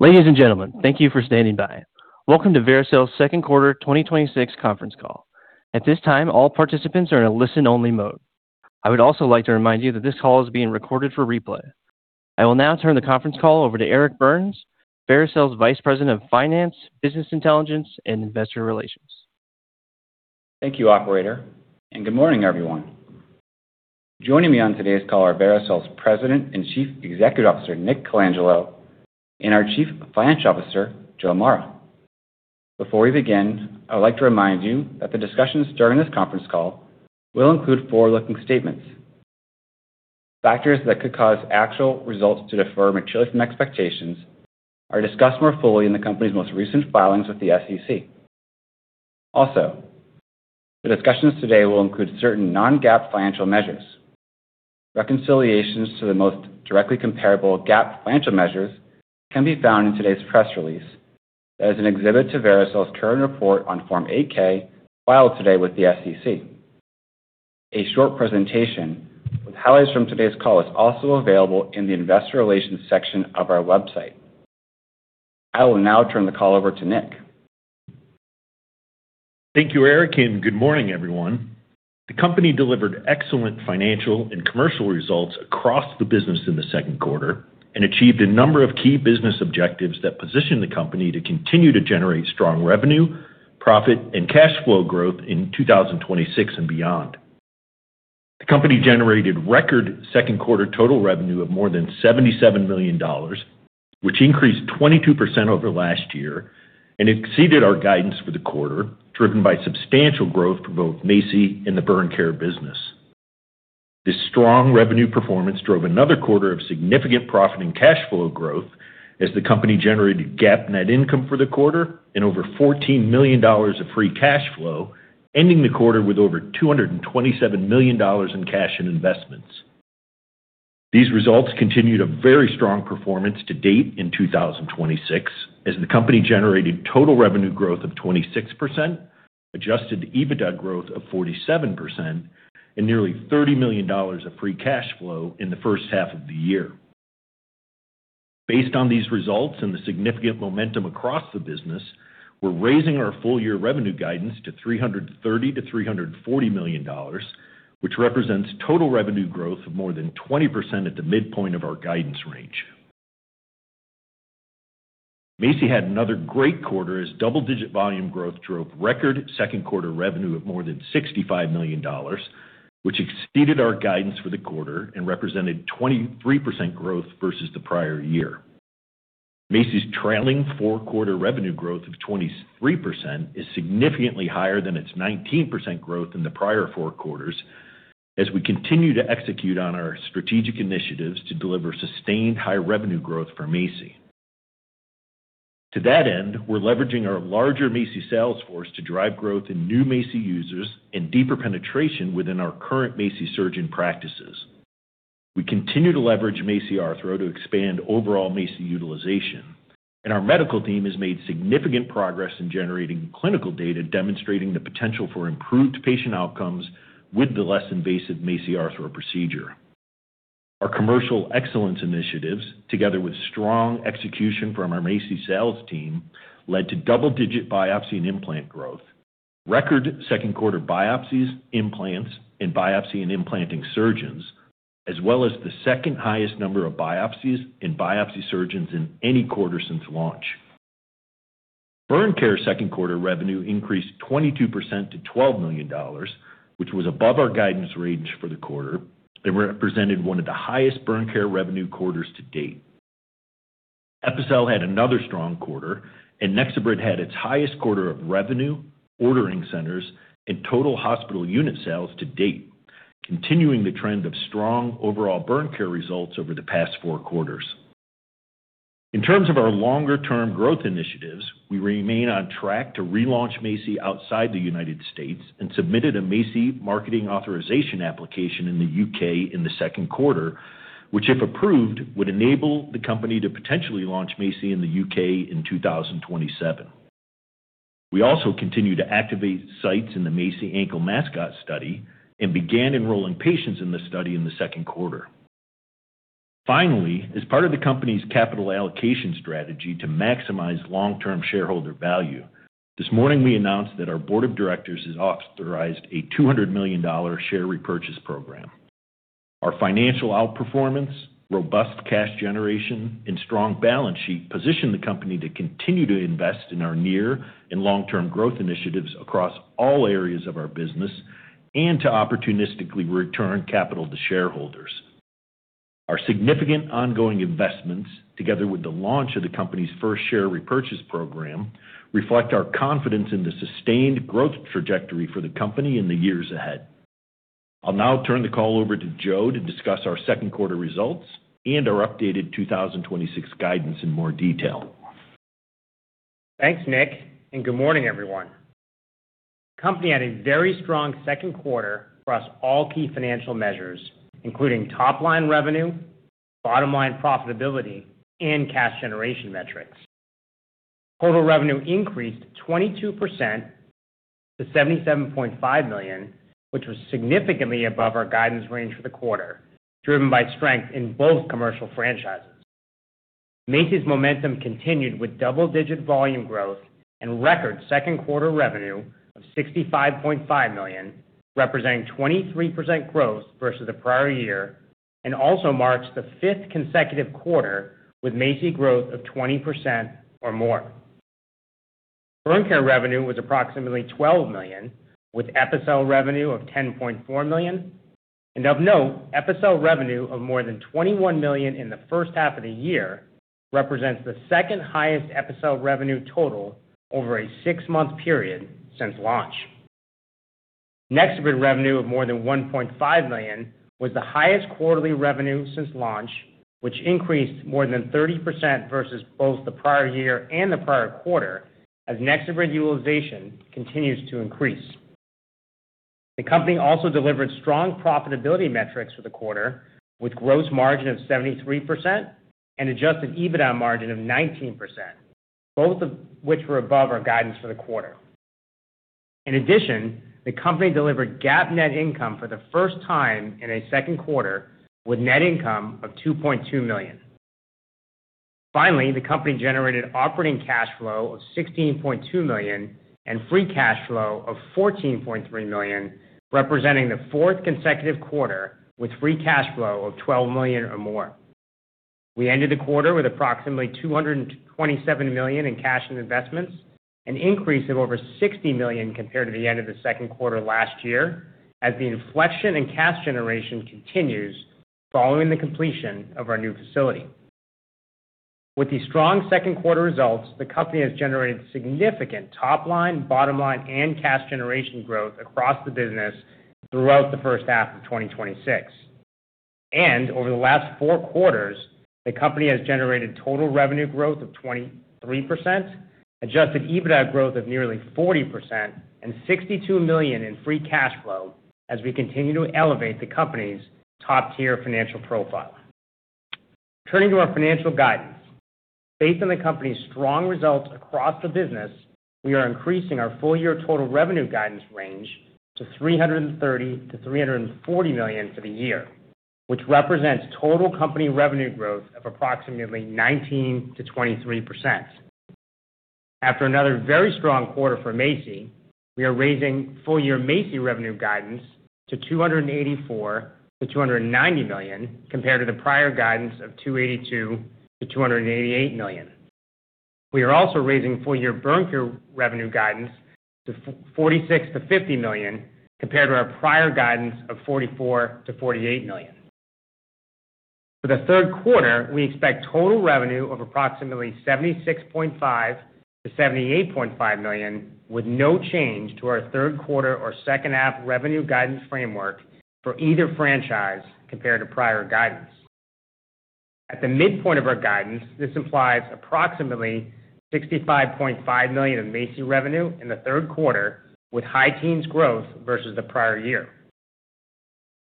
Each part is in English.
Ladies and gentlemen, thank you for standing by. Welcome to Vericel's second quarter 2026 conference call. At this time, all participants are in a listen-only mode. I would also like to remind you that this call is being recorded for replay. I will now turn the conference call over to Eric Burns, Vericel's Vice President of Finance, Business Intelligence, and Investor Relations. Thank you, operator, and good morning, everyone. Joining me on today's call are Vericel's President and Chief Executive Officer, Nick Colangelo, and our Chief Financial Officer, Joe Mara. Before we begin, I would like to remind you that the discussions during this conference call will include forward-looking statements. Factors that could cause actual results to differ materially from expectations are discussed more fully in the company's most recent filings with the SEC. Also, the discussions today will include certain non-GAAP financial measures. Reconciliations to the most directly comparable GAAP financial measures can be found in today's press release as an exhibit to Vericel's current report on Form 8-K filed today with the SEC. A short presentation with highlights from today's call is also available in the investor relations section of our website. I will now turn the call over to Nick. The company delivered excellent financial and commercial results across the business in the second quarter and achieved a number of key business objectives that position the company to continue to generate strong revenue, profit, and cash flow growth in 2026 and beyond. The company generated record second quarter total revenue of more than $77 million, which increased 22% over last year and exceeded our guidance for the quarter, driven by substantial growth for both MACI and the Burn Care business. This strong revenue performance drove another quarter of significant profit and cash flow growth as the company generated GAAP net income for the quarter and over $14 million of free cash flow, ending the quarter with over $227 million in cash and investments. These results continued a very strong performance to date in 2026 as the company generated total revenue growth of 26%, adjusted EBITDA growth of 47%, and nearly $30 million of free cash flow in the first half of the year. Based on these results and the significant momentum across the business, we're raising our full-year revenue guidance to $330 million-$340 million, which represents total revenue growth of more than 20% at the midpoint of our guidance range. MACI had another great quarter as double-digit volume growth drove record second quarter revenue of more than $65 million, which exceeded our guidance for the quarter and represented 23% growth versus the prior year. MACI's trailing four-quarter revenue growth of 23% is significantly higher than its 19% growth in the prior four quarters as we continue to execute on our strategic initiatives to deliver sustained high revenue growth for MACI. To that end, we're leveraging our larger MACI sales force to drive growth in new MACI users and deeper penetration within our current MACI surgeon practices. We continue to leverage MACI Arthro to expand overall MACI utilization, and our medical team has made significant progress in generating clinical data demonstrating the potential for improved patient outcomes with the less invasive MACI Arthro procedure. Our commercial excellence initiatives, together with strong execution from our MACI sales team, led to double-digit biopsy and implant growth, record second-quarter biopsies, implants, and biopsy in implanting surgeons, as well as the second highest number of biopsies and biopsy surgeons in any quarter since launch. Burn Care second-quarter revenue increased 22% to $12 million, which was above our guidance range for the quarter and represented one of the highest Burn Care revenue quarters to date. Epicel had another strong quarter, NexoBrid had its highest quarter of revenue, ordering centers, and total hospital unit sales to date, continuing the trend of strong overall Burn Care results over the past four quarters. In terms of our longer-term growth initiatives, we remain on track to relaunch MACI outside the U.S. and submitted a MACI marketing authorization application in the U.K. in the second-quarter, which, if approved, would enable the company to potentially launch MACI in the U.K. in 2027. We also continue to activate sites in the MACI ankle MASCOT study and began enrolling patients in this study in the second quarter. Finally, as part of the company's capital allocation strategy to maximize long-term shareholder value, this morning we announced that our board of directors has authorized a $200 million share repurchase program. Our financial outperformance, robust cash generation, and strong balance sheet position the company to continue to invest in our near and long-term growth initiatives across all areas of our business and to opportunistically return capital to shareholders. Our significant ongoing investments, together with the launch of the company's first share repurchase program, reflect our confidence in the sustained growth trajectory for the company in the years ahead. I'll now turn the call over to Joe to discuss our second-quarter results and our updated 2026 guidance in more detail. Thanks, Nick. Good morning, everyone. The company had a very strong second quarter across all key financial measures, including top-line revenue, bottom-line profitability, and cash generation metrics. Total revenue increased 22% to $77.5 million, which was significantly above our guidance range for the quarter, driven by strength in both commercial franchises. MACI's momentum continued with double-digit volume growth and record second quarter revenue of $65.5 million, representing 23% growth versus the prior year, and also marks the fifth consecutive quarter with MACI growth of 20% or more. Burn Care revenue was approximately $12 million, with Epicel revenue of $10.4 million. Of note, Epicel revenue of more than $21 million in the first half of the year represents the second highest Epicel revenue total over a six-month period since launch. NexoBrid revenue of more than $1.5 million was the highest quarterly revenue since launch, which increased more than 30% versus both the prior year and the prior quarter as NexoBrid utilization continues to increase. The company also delivered strong profitability metrics for the quarter, with gross margin of 73% and adjusted EBITDA margin of 19%, both of which were above our guidance for the quarter. In addition, the company delivered GAAP net income for the first time in a second quarter, with net income of $2.2 million. Finally, the company generated operating cash flow of $16.2 million and free cash flow of $14.3 million, representing the fourth consecutive quarter with free cash flow of $12 million or more. We ended the quarter with approximately $227 million in cash and investments, an increase of over $60 million compared to the end of the second quarter last year, as the inflection in cash generation continues following the completion of our new facility. With these strong second quarter results, the company has generated significant top-line, bottom-line, and cash generation growth across the business throughout the first half of 2026. Over the last four quarters, the company has generated total revenue growth of 23%, adjusted EBITDA growth of nearly 40%, and $62 million in free cash flow as we continue to elevate the company's top-tier financial profile. Turning to our financial guidance. Based on the company's strong results across the business, we are increasing our full-year total revenue guidance range to $330 million-$340 million for the year, which represents total company revenue growth of approximately 19%-23%. After another very strong quarter for MACI, we are raising full-year MACI revenue guidance to $284 million-$290 million, compared to the prior guidance of $282 million-$288 million. We are also raising full-year Burn Care revenue guidance to $46 million-$50 million, compared to our prior guidance of $44 million-$48 million. For the third quarter, we expect total revenue of approximately $76.5 million-$78.5 million, with no change to our third quarter or second half revenue guidance framework for either franchise compared to prior guidance. At the midpoint of our guidance, this implies approximately $65.5 million in MACI revenue in the third quarter, with high teens growth versus the prior year.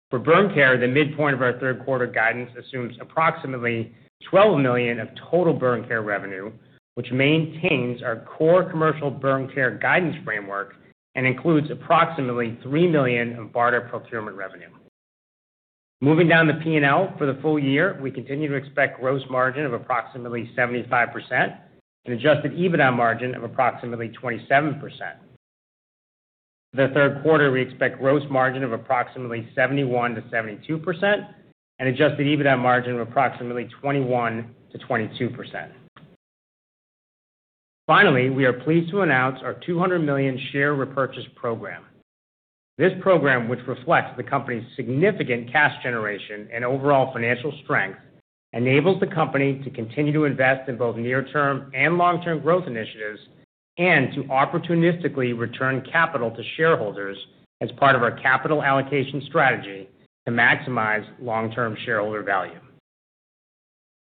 For Burn Care, the midpoint of our third quarter guidance assumes approximately $12 million of total Burn Care revenue, which maintains our core commercial Burn Care guidance framework and includes approximately $3 million in BARDA procurement revenue. Moving down the P&L for the full year, we continue to expect gross margin of approximately 75% and adjusted EBITDA margin of approximately 27%. For the third quarter, we expect gross margin of approximately 71%-72% and adjusted EBITDA margin of approximately 21%-22%. Finally, we are pleased to announce our $200 million share repurchase program. This program, which reflects the company's significant cash generation and overall financial strength, enables the company to continue to invest in both near-term and long-term growth initiatives and to opportunistically return capital to shareholders as part of our capital allocation strategy to maximize long-term shareholder value.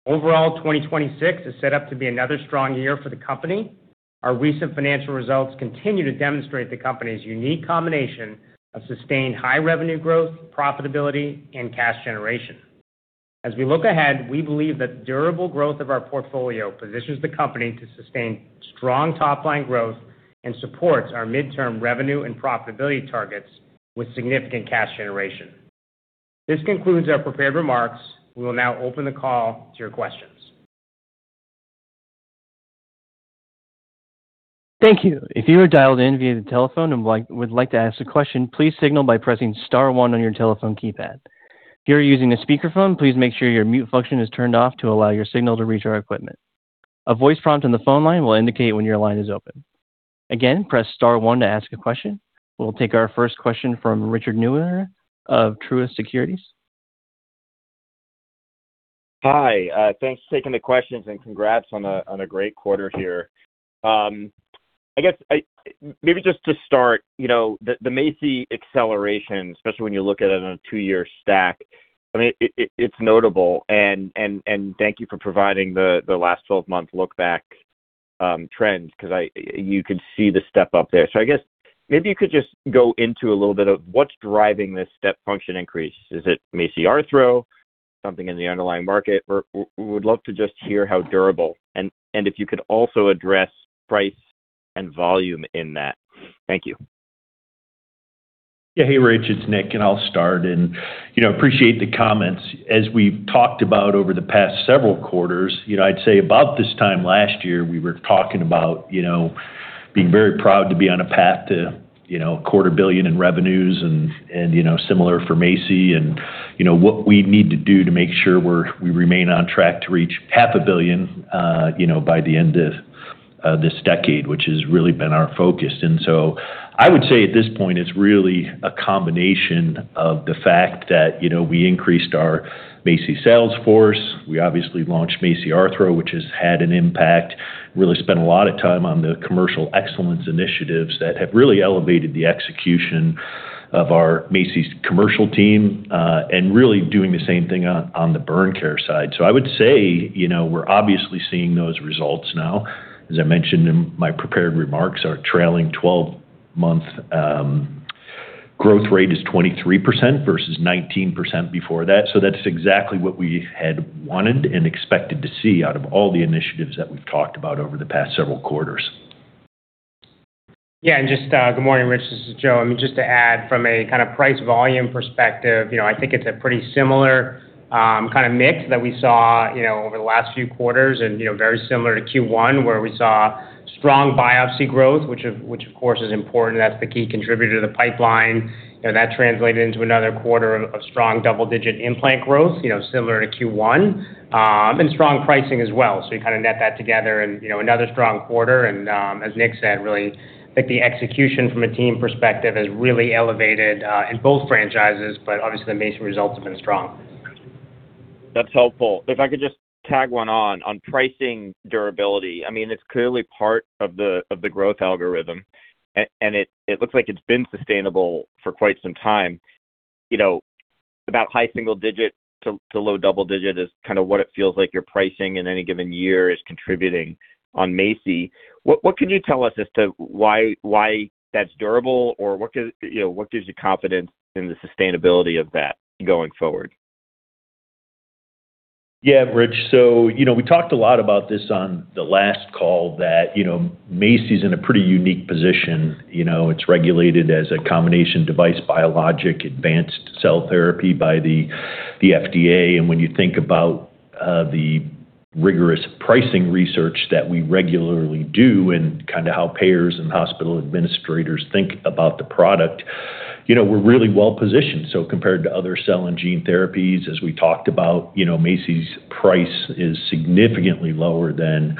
Overall, 2026 is set up to be another strong year for the company. Our recent financial results continue to demonstrate the company's unique combination of sustained high revenue growth, profitability, and cash generation. As we look ahead, we believe that the durable growth of our portfolio positions the company to sustain strong top-line growth and supports our midterm revenue and profitability targets with significant cash generation. This concludes our prepared remarks. We will now open the call to your questions. Thank you. If you are dialed in via the telephone and would like to ask a question, please signal by pressing star one on your telephone keypad. If you are using a speakerphone, please make sure your mute function is turned off to allow your signal to reach our equipment. A voice prompt on the phone line will indicate when your line is open. Again, press star one to ask a question. We'll take our first question from Richard Newitter of Truist Securities. Hi. Thanks for taking the questions and congrats on a great quarter here. Maybe just to start, the MACI acceleration, especially when you look at it on a two-year stack, it's notable. Thank you for providing the last 12-month look-back trends, because you can see the step up there. Maybe you could just go into a little bit of what's driving this step function increase. Is it MACI Arthro? Something in the underlying market. We would love to just hear how durable, and if you could also address price and volume in that. Thank you. Yeah. Hey, Rich, it's Nick, and I'll start. Appreciate the comments. As we've talked about over the past several quarters, I'd say about this time last year, we were talking about being very proud to be on a path to a quarter billion in revenues and similar for MACI, and what we need to do to make sure we remain on track to reach half a billion by the end of this decade, which has really been our focus. I would say at this point, it's really a combination of the fact that we increased our MACI sales force. We obviously launched MACI Arthro, which has had an impact, really spent a lot of time on the commercial excellence initiatives that have really elevated the execution of our MACI's commercial team, and really doing the same thing on the Burn Care side. I would say, we're obviously seeing those results now. As I mentioned in my prepared remarks, our trailing 12-month growth rate is 23% versus 19% before that. That's exactly what we had wanted and expected to see out of all the initiatives that we've talked about over the past several quarters. Yeah, good morning, Rich. This is Joe. Just to add from a price-volume perspective, I think it's a pretty similar kind of mix that we saw over the last few quarters and very similar to Q1 where we saw strong biopsy growth, which of course, is important. That's the key contributor to the pipeline. That translated into another quarter of strong double-digit implant growth, similar to Q1, and strong pricing as well. You net that together and another strong quarter and, as Nick said, really, I think the execution from a team perspective has really elevated, in both franchises, but obviously the MACI results have been strong. That's helpful. If I could just tag one on pricing durability. It's clearly part of the growth algorithm, and it looks like it's been sustainable for quite some time. About high single digit to low double digit is kind of what it feels like your pricing in any given year is contributing on MACI. What can you tell us as to why that's durable or what gives you confidence in the sustainability of that going forward? Yeah, Rich. We talked a lot about this on the last call that MACI's in a pretty unique position. It's regulated as a combination device, biologic advanced cell therapy by the FDA. When you think about the rigorous pricing research that we regularly do and how payers and hospital administrators think about the product, we're really well-positioned. Compared to other cell and gene therapies, as we talked about, MACI's price is significantly lower than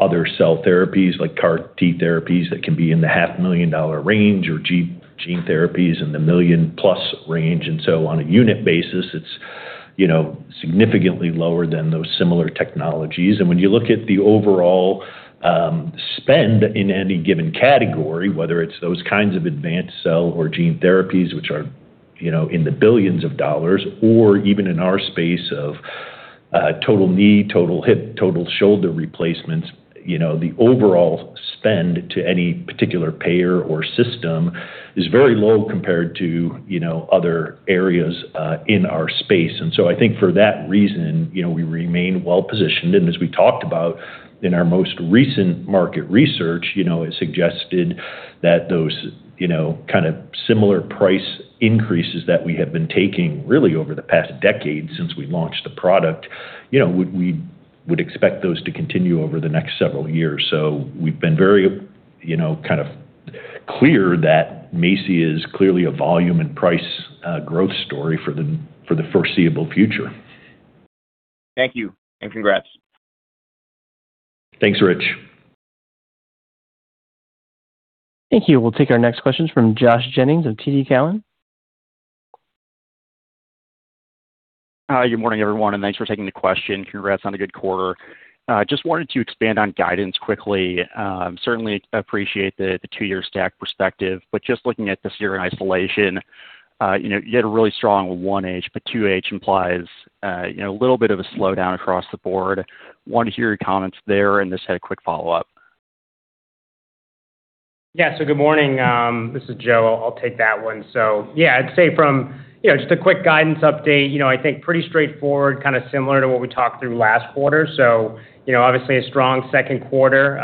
other cell therapies like CAR T therapies that can be in the $500,000 range or gene therapies in the million-plus range. On a unit basis, it's significantly lower than those similar technologies. When you look at the overall spend in any given category, whether it's those kinds of advanced cell or gene therapies, which are in the billions of dollars or even in our space of total knee, total hip, total shoulder replacements, the overall spend to any particular payer or system is very low compared to other areas in our space. I think for that reason, we remain well-positioned. As we talked about in our most recent market research, it suggested that those kind of similar price increases that we have been taking really over the past decade since we launched the product, we would expect those to continue over the next several years. We've been very clear that MACI is clearly a volume and price growth story for the foreseeable future. Thank you, and congrats. Thanks, Rich. Thank you. We'll take our next questions from Josh Jennings of TD Cowen. Hi. Good morning, everyone, and thanks for taking the question. Congrats on a good quarter. Wanted to expand on guidance quickly. Certainly, appreciate the two-year stack perspective, just looking at this year in isolation, you had a really strong 1H, but 2H implies a little bit of a slowdown across the board. I want to hear your comments there. I just had a quick follow-up. Good morning. This is Joe. I'll take that one. I'd say from just a quick guidance update, I think pretty straightforward, kind of similar to what we talked through last quarter. Obviously a strong second quarter,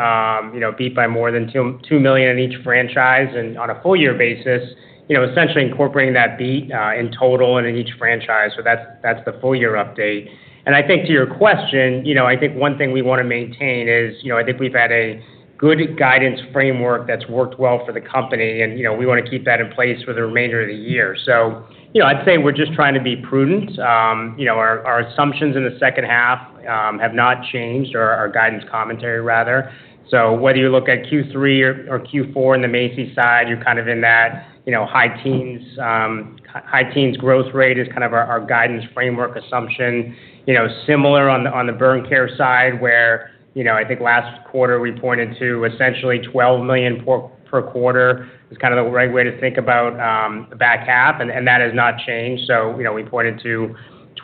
beat by more than $2 million in each franchise and on a full year basis, essentially incorporating that beat in total and in each franchise. That's the full year update. I think to your question, I think one thing we want to maintain is, I think we've had a good guidance framework that's worked well for the company, and we want to keep that in place for the remainder of the year. I'd say we're just trying to be prudent. Our assumptions in the second half have not changed, or our guidance commentary rather. Whether you look at Q3 or Q4 in the MACI side, you're kind of in that high teens growth rate is kind of our guidance framework assumption. Similar on the Burn Care side where I think last quarter we pointed to essentially $12 million per quarter is kind of the right way to think about the back half, and that has not changed. We pointed to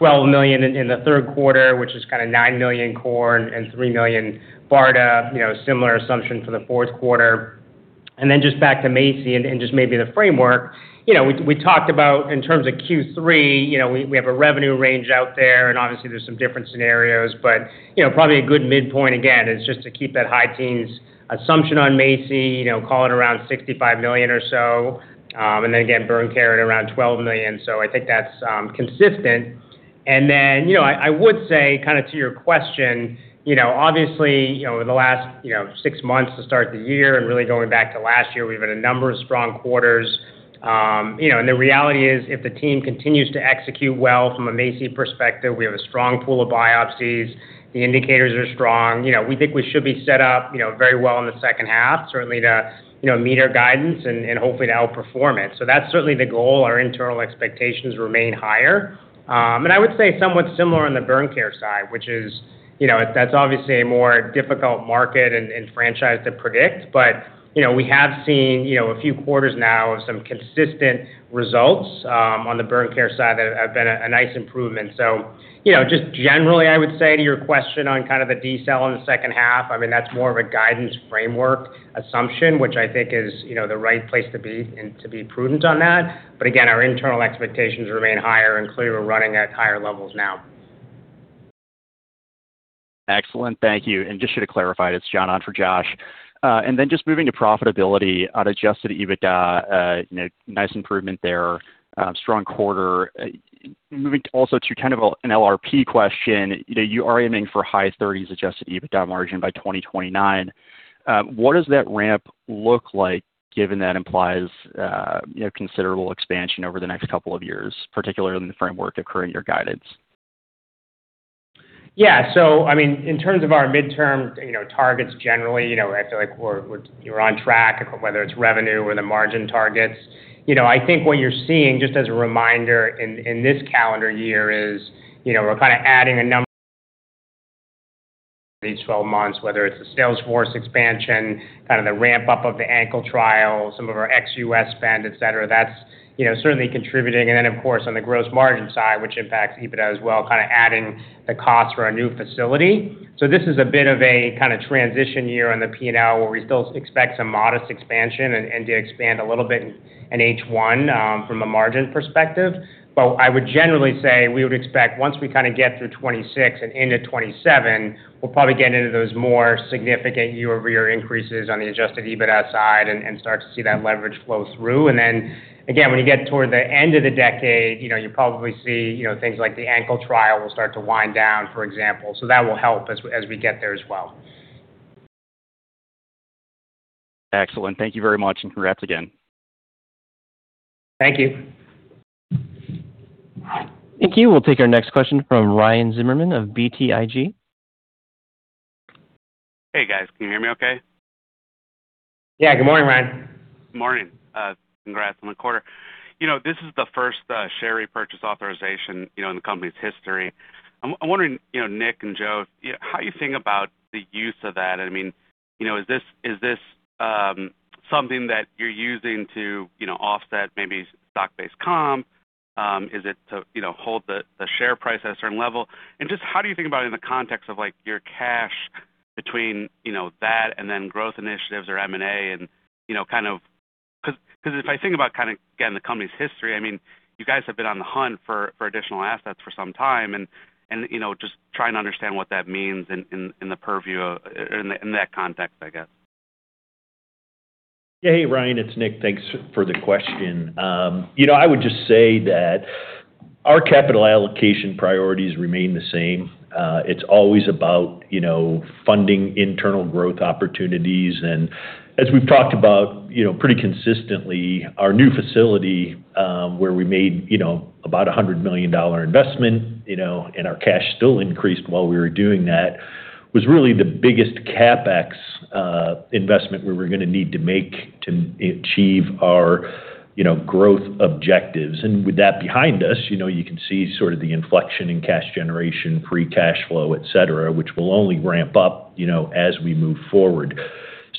$12 million in the third quarter, which is kind of $9 million core and $3 million BARDA, similar assumption for the fourth quarter. Just back to MACI and just maybe the framework. We talked about in terms of Q3, we have a revenue range out there, and obviously there's some different scenarios, but probably a good midpoint again is just to keep that high teens assumption on MACI, call it around $65 million or so. Again, Burn Care at around $12 million. I think that's consistent. I would say to your question, obviously, over the last six months to start the year and really going back to last year, we've had a number of strong quarters. The reality is, if the team continues to execute well from a MACI perspective, we have a strong pool of biopsies. The indicators are strong. We think we should be set up very well in the second half, certainly to meet our guidance and hopefully to outperform it. That's certainly the goal. Our internal expectations remain higher. I would say somewhat similar on the Burn Care side, which is, that's obviously a more difficult market and franchise to predict. We have seen a few quarters now of some consistent results on the Burn Care side that have been a nice improvement. Just generally I would say to your question on the decel in the second half, that's more of a guidance framework assumption, which I think is the right place to be and to be prudent on that. Again, our internal expectations remain higher and clearly we're running at higher levels now. Excellent. Thank you. Just to clarify, it's John on for Josh. Just moving to profitability on adjusted EBITDA, nice improvement there. Strong quarter. Moving also to kind of an LRP question. You are aiming for high 30s adjusted EBITDA margin by 2029. What does that ramp look like given that implies considerable expansion over the next couple of years, particularly in the framework occurring your guidance? Yeah. In terms of our midterm targets, generally, I feel like we're on track, whether it's revenue or the margin targets. I think what you're seeing, just as a reminder in this calendar year is, we're adding a number these 12 months, whether it's the sales force expansion, the ramp-up of the ankle trial, some of our ex-U.S. spend, et cetera. That's certainly contributing. Of course, on the gross margin side, which impacts EBITDA as well, adding the cost for our new facility. This is a bit of a transition year on the P&L where we still expect some modest expansion and to expand a little bit in H1 from a margin perspective. I would generally say we would expect once we get through 2026 and into 2027, we'll probably get into those more significant year-over-year increases on the adjusted EBITDA side and start to see that leverage flow through. Again, when you get toward the end of the decade, you'll probably see things like the ankle trial will start to wind down, for example. That will help as we get there as well. Excellent. Thank you very much, congrats again. Thank you. Thank you. We'll take our next question from Ryan Zimmerman of BTIG. Hey guys, can you hear me okay? Yeah. Good morning, Ryan. Good morning. Congrats on the quarter. This is the first share repurchase authorization in the company's history. I'm wondering, Nick and Joe, how you think about the use of that. Is this something that you're using to offset maybe stock-based comp? Is it to hold the share price at a certain level? Just how do you think about it in the context of your cash between that and then growth initiatives or M&A? Because if I think about, again, the company's history, you guys have been on the hunt for additional assets for some time and just trying to understand what that means in that context, I guess. Yeah. Hey, Ryan, it's Nick. Thanks for the question. I would just say that our capital allocation priorities remain the same. It's always about funding internal growth opportunities. As we've talked about pretty consistently, our new facility, where we made about $100 million investment, and our cash still increased while we were doing that, was really the biggest CapEx investment we were going to need to make to achieve our growth objectives. With that behind us, you can see sort of the inflection in cash generation, free cash flow, et cetera, which will only ramp up as we move forward.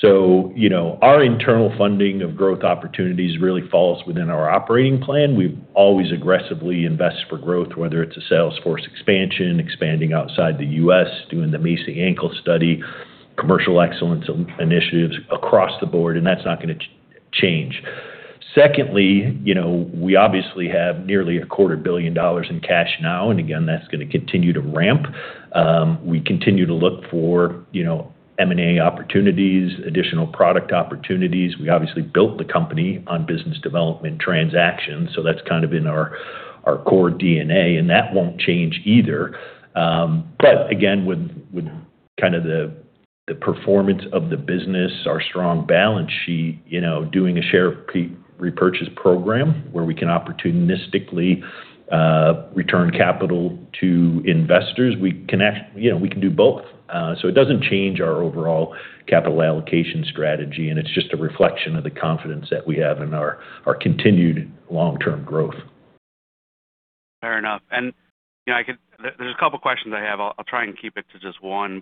Our internal funding of growth opportunities really falls within our operating plan. We've always aggressively invest for growth, whether it's a sales force expansion, expanding outside the U.S., doing the MACI ankle study, commercial excellence initiatives across the board. That's not going to change. Secondly, we obviously have nearly a quarter billion dollars in cash now. Again, that's going to continue to ramp. We continue to look for M&A opportunities, additional product opportunities. We obviously built the company on business development transactions. That's kind of in our core DNA. That won't change either. Again, with the performance of the business, our strong balance sheet, doing a share repurchase program where we can opportunistically return capital to investors, we can do both. It doesn't change our overall capital allocation strategy, and it's just a reflection of the confidence that we have in our continued long-term growth. Fair enough. There's a couple of questions I have. I'll try and keep it to just one.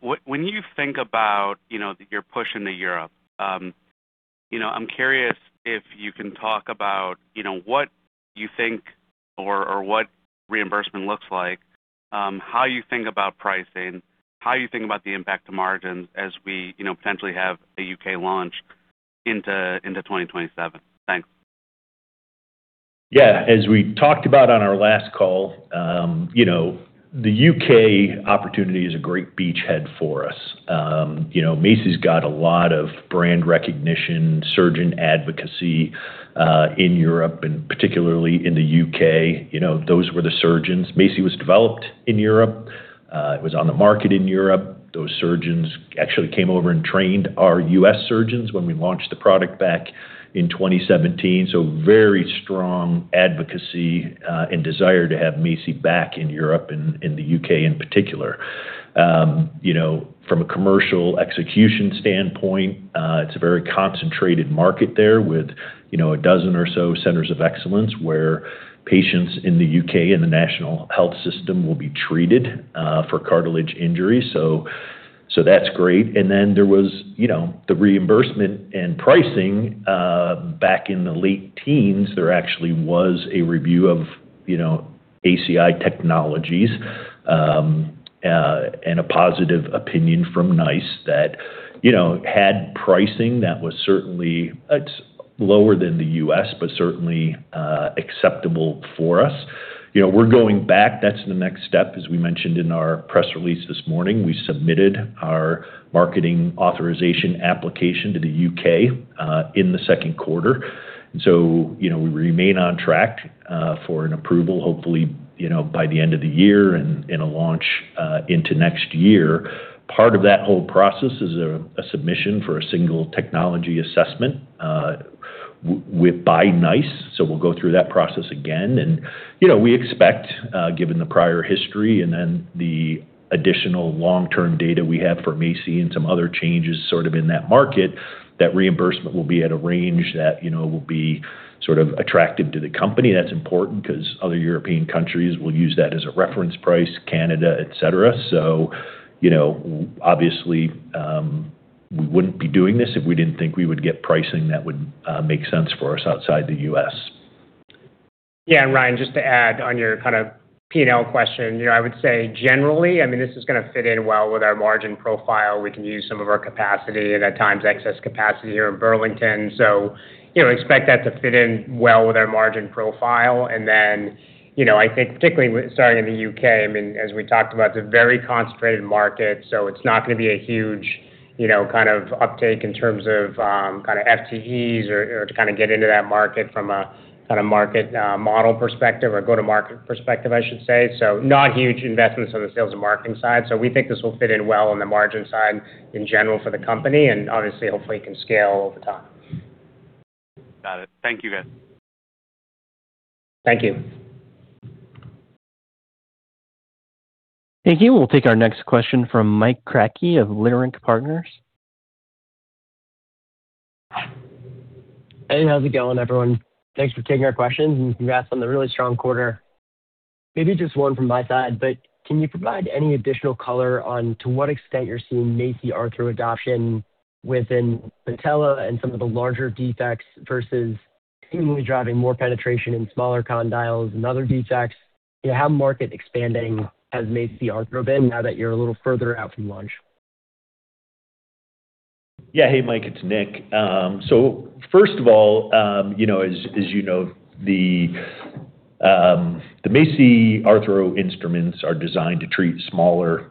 When you think about your push into Europe, I'm curious if you can talk about what you think or what reimbursement looks like, how you think about pricing, how you think about the impact to margins as we potentially have a U.K. launch into 2027. Thanks. Yeah. As we talked about on our last call, the U.K. opportunity is a great beachhead for us. MACI's got a lot of brand recognition, surgeon advocacy, in Europe and particularly in the U.K. Those were the surgeons. MACI was developed in Europe. It was on the market in Europe. Those surgeons actually came over and trained our U.S. surgeons when we launched the product back in 2017. Very strong advocacy and desire to have MACI back in Europe and in the U.K. in particular. From a commercial execution standpoint, it's a very concentrated market there with a dozen or so centers of excellence where patients in the U.K. and the National Health System will be treated for cartilage injuries. That's great. There was the reimbursement and pricing, back in the late teens, there actually was a review of ACI technologies, and a positive opinion from NICE that had pricing that was certainly lower than the U.S., but certainly acceptable for us. We're going back. That's the next step. As we mentioned in our press release this morning, we submitted our marketing authorization application to the U.K., in the second quarter. We remain on track for an approval, hopefully, by the end of the year and a launch into next year. Part of that whole process is a submission for a single technology assessment by NICE. We'll go through that process again. We expect, given the prior history and then the additional long-term data we have for MACI and some other changes sort of in that market, that reimbursement will be at a range that will be sort of attractive to the company. That's important because other European countries will use that as a reference price, Canada, et cetera. Obviously, we wouldn't be doing this if we didn't think we would get pricing that would make sense for us outside the U.S. Yeah. Ryan, just to add on your kind of P&L question, I would say generally, this is going to fit in well with our margin profile. We can use some of our capacity and at times excess capacity here in Burlington. Expect that to fit in well with our margin profile. I think particularly starting in the U.K., as we talked about, it's a very concentrated market, it's not going to be a huge kind of uptake in terms of kind of FTEs or to kind of get into that market from a kind of market model perspective or go-to-market perspective, I should say. Not huge investments on the sales and marketing side. We think this will fit in well on the margin side in general for the company, and obviously, hopefully it can scale over time. Got it. Thank you, guys. Thank you. Thank you. We'll take our next question from Mike Kratky of Leerink Partners. Hey, how's it going, everyone? Thanks for taking our questions, and congrats on the really strong quarter. Maybe just one from my side, but can you provide any additional color on to what extent you're seeing MACI Arthro adoption within patella and some of the larger defects versus seemingly driving more penetration in smaller condyles and other defects? How market expanding has MACI Arthro been now that you're a little further out from launch? Hey, Mike, it's Nick. First of all, as you know, the MACI Arthro instruments are designed to treat smaller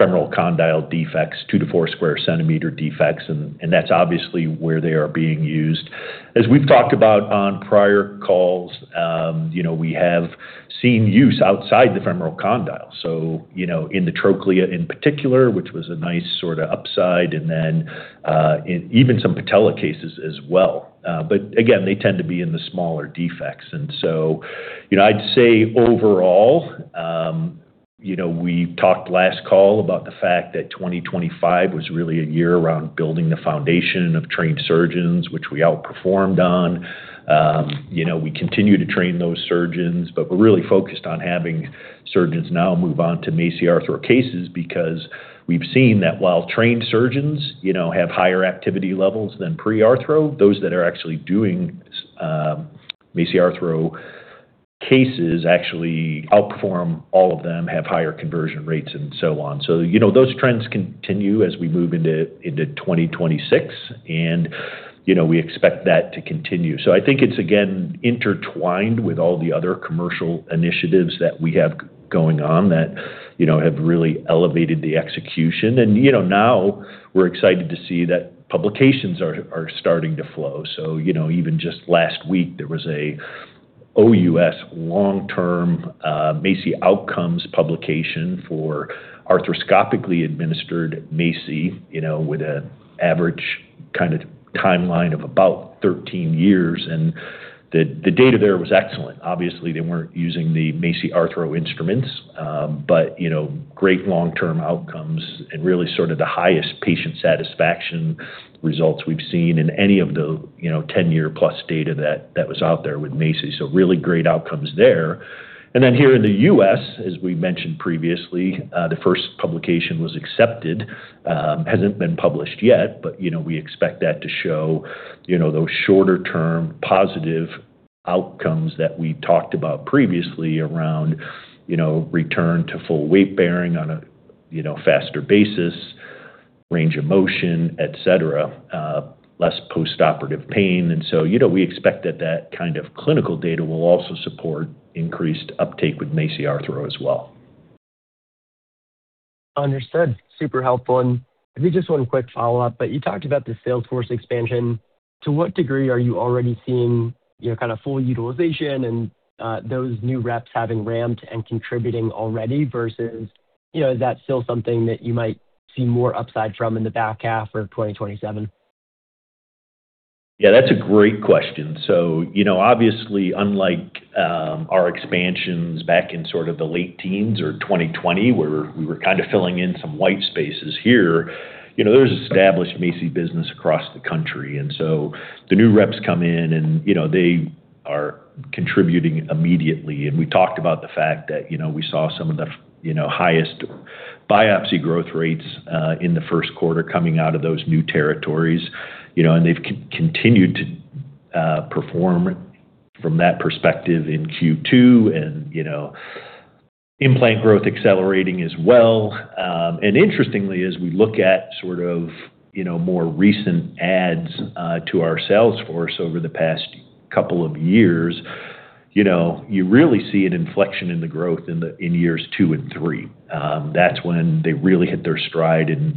femoral condyle defects, two to four square centimeter defects, and that's obviously where they are being used. As we've talked about on prior calls, we have seen use outside the femoral condyle, so in the trochlea in particular, which was a nice sort of upside, and then even some patella cases as well. Again, they tend to be in the smaller defects. I'd say overall, we talked last call about the fact that 2025 was really a year around building the foundation of trained surgeons, which we outperformed on. We continue to train those surgeons, but we're really focused on having surgeons now move on to MACI Arthro cases because we've seen that while trained surgeons have higher activity levels than pre-Arthro, those that are actually doing MACI Arthro cases actually outperform all of them, have higher conversion rates, and so on. Those trends continue as we move into 2026, and we expect that to continue. I think it's again intertwined with all the other commercial initiatives that we have going on that have really elevated the execution. Now we're excited to see that publications are starting to flow. Even just last week, there was a OUS long-term MACI outcomes publication for arthroscopically administered MACI, with an average kind of timeline of about 13 years, and the data there was excellent. Obviously, they weren't using the MACI Arthro instruments, but great long-term outcomes and really sort of the highest patient satisfaction results we've seen in any of the 10-year+ data that was out there with MACI. Really great outcomes there. Here in the U.S., as we mentioned previously, the first publication was accepted. Hasn't been published yet, but we expect that to show those shorter-term positive outcomes that we talked about previously around return to full weight bearing on a faster basis, range of motion, et cetera, less postoperative pain. We expect that that kind of clinical data will also support increased uptake with MACI Arthro as well. Understood. Super helpful. Maybe just one quick follow-up, you talked about the sales force expansion. To what degree are you already seeing kind of full utilization and those new reps having ramped and contributing already versus, is that still something that you might see more upside from in the back half of 2027? Yeah, that's a great question. Obviously, unlike our expansions back in sort of the late teens or 2020, where we were kind of filling in some white spaces here, there's established MACI business across the country, the new reps come in and they are contributing immediately. We talked about the fact that we saw some of the highest biopsy growth rates, in the first quarter coming out of those new territories, and they've continued to perform from that perspective in Q2 and implant growth accelerating as well. Interestingly, as we look at sort of more recent adds to our sales force over the past couple of years, you really see an inflection in the growth in years two and three. That's when they really hit their stride and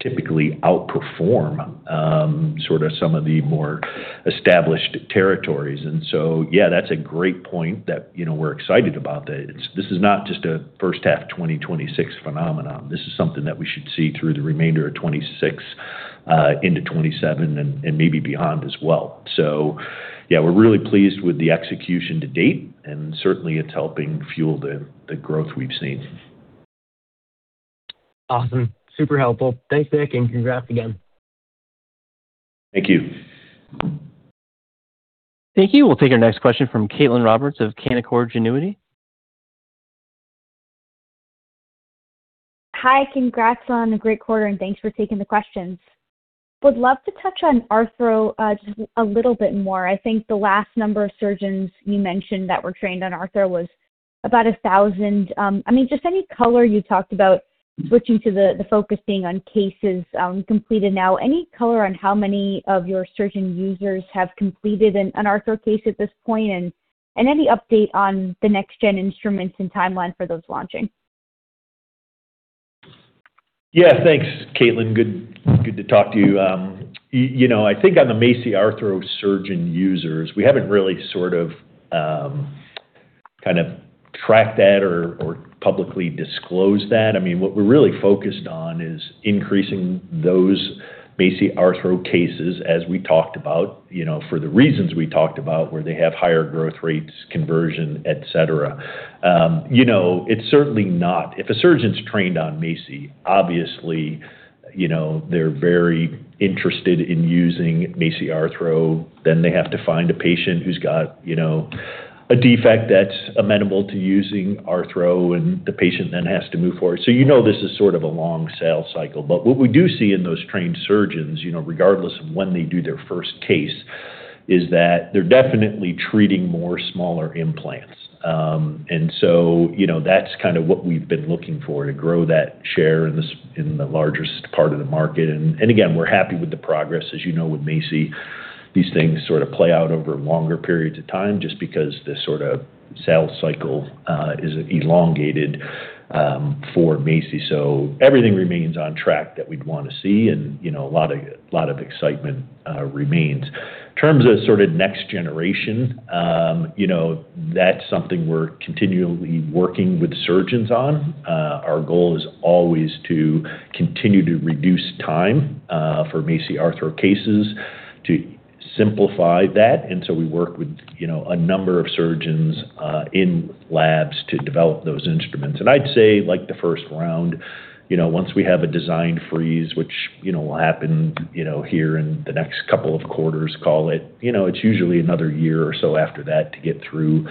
typically outperform sort of some of the more established territories. Yeah, that's a great point that we're excited about, that this is not just a first half 2026 phenomenon. This is something that we should see through the remainder of 2026, into 2027 and maybe beyond as well. Yeah, we're really pleased with the execution to date, and certainly it's helping fuel the growth we've seen. Awesome. Super helpful. Thanks, Nick, and congrats again. Thank you. Thank you. We'll take our next question from Caitlin Roberts of Canaccord Genuity. Hi, congrats on a great quarter, and thanks for taking the questions. Would love to touch on Arthro just a little bit more. I think the last number of surgeons you mentioned that were trained on Arthro was about 1,000. Any color, you talked about switching to the focus being on cases completed now. Any color on how many of your surgeon users have completed an Arthro case at this point, and any update on the next-gen instruments and timeline for those launching? Thanks, Caitlin. Good to talk to you. I think on the MACI Arthro surgeon users, we haven't really sort of kind of tracked that or publicly disclosed that. What we're really focused on is increasing those MACI Arthro cases as we talked about, for the reasons we talked about, where they have higher growth rates, conversion, et cetera. If a surgeon's trained on MACI, obviously, they're very interested in using MACI Arthro, they have to find a patient who's got a defect that's amenable to using Arthro, and the patient then has to move forward. You know this is sort of a long sales cycle. What we do see in those trained surgeons, regardless of when they do their first case, is that they're definitely treating more smaller implants. That's kind of what we've been looking for, to grow that share in the largest part of the market. Again, we're happy with the progress. As you know with MACI, these things sort of play out over longer periods of time just because the sort of sales cycle is elongated for MACI. Everything remains on track that we'd want to see, and a lot of excitement remains. In terms of sort of next generation, that's something we're continually working with surgeons on. Our goal is always to continue to reduce time for MACI Arthro cases to simplify that. We work with a number of surgeons in labs to develop those instruments. I'd say, like the first round, once we have a design freeze, which will happen here in the next couple of quarters, call it's usually another year or so after that to get through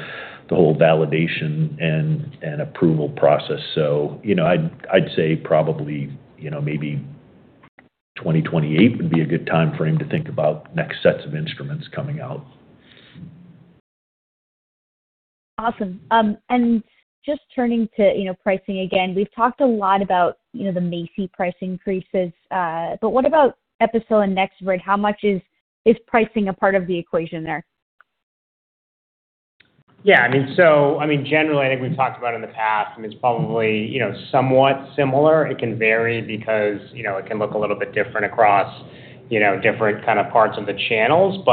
the whole validation and approval process. I'd say probably maybe 2028 would be a good time frame to think about next sets of instruments coming out. Awesome. Just turning to pricing again, we've talked a lot about the MACI price increases. What about Epicel and NexoBrid? How much is pricing a part of the equation there? Yeah. Generally, I think we've talked about in the past, and it's probably somewhat similar. It can vary because it can look a little bit different across different kind of parts of the channels.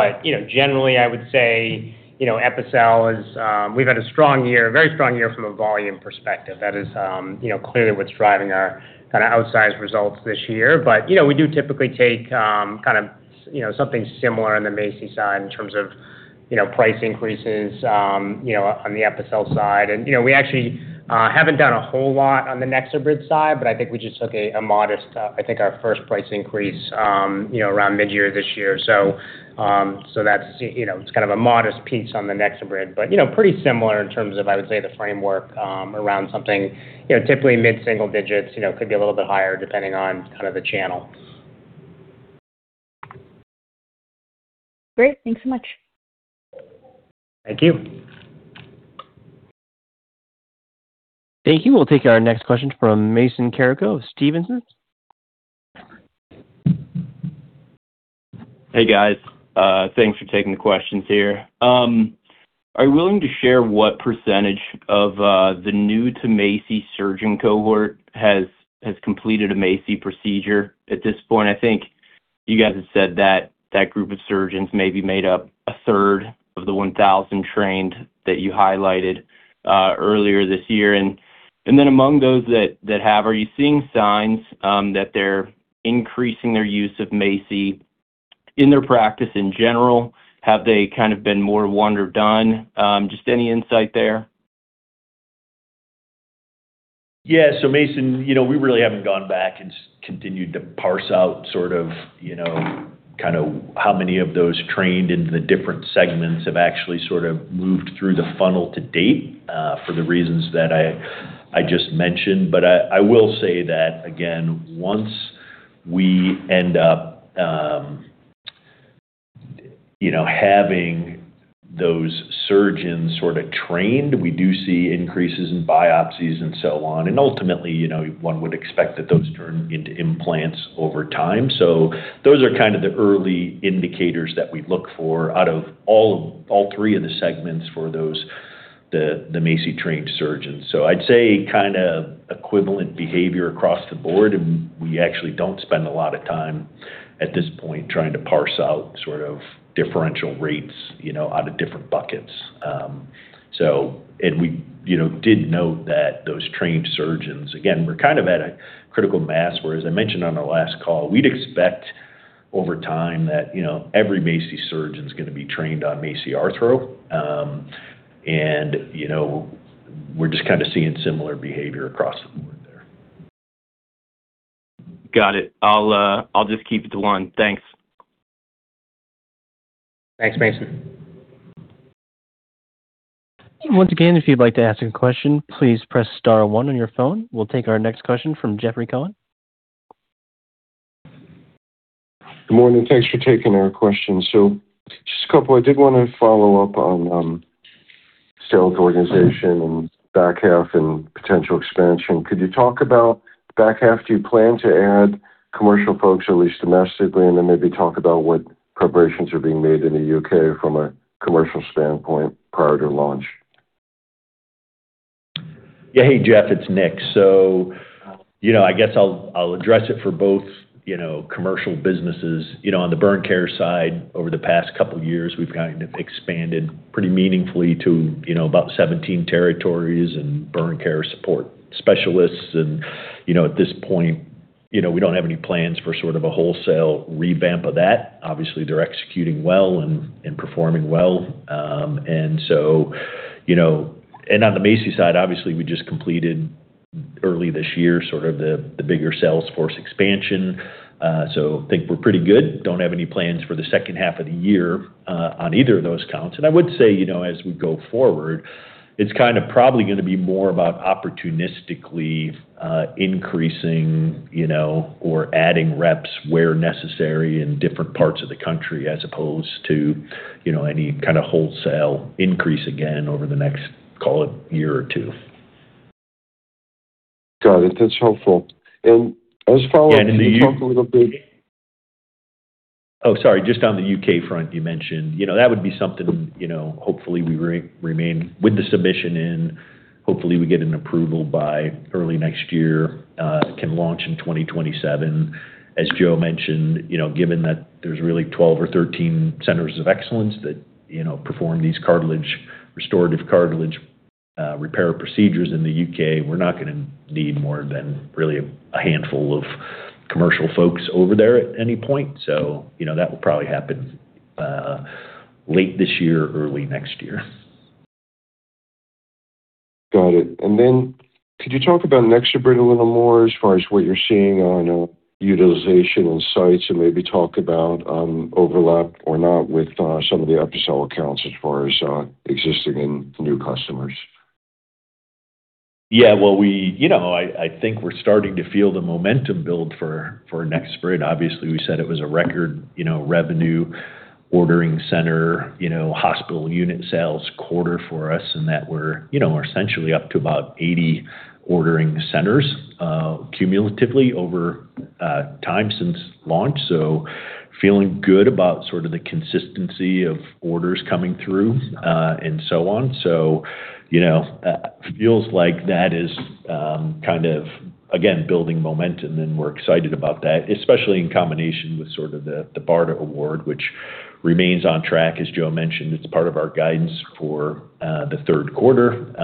Generally, I would say, Epicel, we've had a very strong year from a volume perspective. That is clearly what's driving our kind of outsized results this year. We do typically take kind of something similar on the MACI side in terms of Price increases on the Epicel side. We actually haven't done a whole lot on the NexoBrid side, I think we just took a modest, I think our first price increase, around mid-year this year. It's a modest piece on the NexoBrid, pretty similar in terms of, I would say, the framework around something typically mid-single digits, could be a little bit higher depending on the channel. Great. Thanks so much. Thank you. Thank you. We'll take our next question from Mason Carrico of Stephens. Hey, guys. Thanks for taking the questions here. Are you willing to share what percentage of the new-to-MACI surgeon cohort has completed a MACI procedure at this point? I think you guys have said that that group of surgeons may be made up a third of the 1,000 trained that you highlighted earlier this year. Among those that have, are you seeing signs that they're increasing their use of MACI in their practice in general? Have they been more one and done? Just any insight there. Yeah. Mason, we really haven't gone back and continued to parse out how many of those trained in the different segments have actually moved through the funnel to date, for the reasons that I just mentioned. I will say that, again, once we end up having those surgeons trained, we do see increases in biopsies and so on. Ultimately, one would expect that those turn into implants over time. Those are the early indicators that we'd look for out of all three of the segments for the MACI-trained surgeons. I'd say equivalent behavior across the board, and we actually don't spend a lot of time at this point trying to parse out differential rates out of different buckets. We did note that those trained surgeons, again, we're at a critical mass, where as I mentioned on our last call, we'd expect over time that every MACI surgeon's going to be trained on MACI Arthro. We're just seeing similar behavior across the board there. Got it. I'll just keep it to one. Thanks. Thanks, Mason. Once again, if you'd like to ask a question, please press star one on your phone. We'll take our next question from Jeffrey Cohen. Good morning. Thanks for taking our question. Just a couple. I did want to follow up on sales organization and back half and potential expansion. Could you talk about back half? Do you plan to add commercial folks, at least domestically, and then maybe talk about what preparations are being made in the U.K. from a commercial standpoint prior to launch? Yeah. Hey, Jeff, it's Nick. I guess I'll address it for both commercial businesses. On the Burn Care side, over the past couple of years, we've expanded pretty meaningfully to about 17 territories and Burn Care support specialists. At this point, we don't have any plans for a wholesale revamp of that. Obviously, they're executing well and performing well. On the MACI side, obviously, we just completed early this year the bigger sales force expansion. I think we're pretty good. Don't have any plans for the second half of the year on either of those counts. I would say, as we go forward, it's probably going to be more about opportunistically increasing or adding reps where necessary in different parts of the country as opposed to any kind of wholesale increase again over the next, call it, year or two. Got it. That's helpful. I just follow up- You- Can you talk a little bit- Oh, sorry. Just on the U.K. front you mentioned. That would be something, hopefully we remain with the submission in, hopefully we get an approval by early next year, can launch in 2027. As Joe mentioned, given that there's really 12 or 13 centers of excellence that perform these restorative cartilage repair procedures in the U.K., we're not going to need more than really a handful of commercial folks over there at any point. That will probably happen late this year or early next year. Got it. Could you talk about NexoBrid a little more as far as what you're seeing on utilization and sites, and maybe talk about overlap or not with some of the Epicel accounts as far as existing and new customers? Yeah. I think we're starting to feel the momentum build for NexoBrid. Obviously, we said it was a record revenue ordering center, hospital unit sales quarter for us, and that we're essentially up to about 80 ordering centers cumulatively over time since launch. Feeling good about sort of the consistency of orders coming through, and so on. It feels like that is, again, building momentum, and we're excited about that, especially in combination with the BARDA award, which remains on track, as Joe mentioned. It's part of our guidance for the third quarter.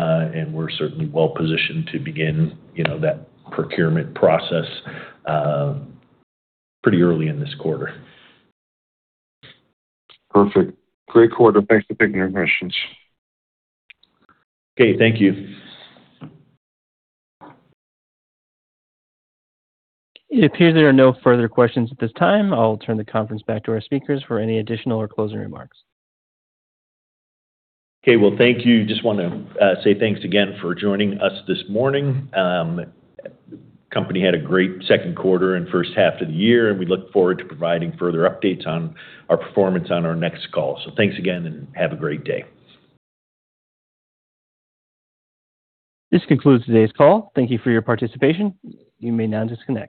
We're certainly well-positioned to begin that procurement process pretty early in this quarter. Perfect. Great quarter. Thanks for taking our questions. Okay. Thank you. It appears there are no further questions at this time. I'll turn the conference back to our speakers for any additional or closing remarks. Okay. Well, thank you. Just want to say thanks again for joining us this morning. Company had a great second quarter and first half of the year, and we look forward to providing further updates on our performance on our next call. Thanks again, and have a great day. This concludes today's call. Thank you for your participation. You may now disconnect.